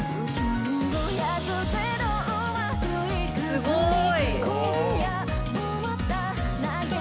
すごい。